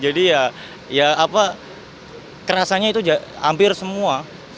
jadi ya ya apa kerasanya itu hampir semua